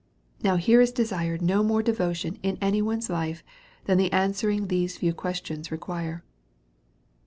Now here is desired no more devotion in any one's life, than the answering these few questions require.